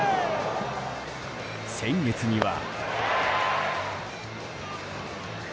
先月には。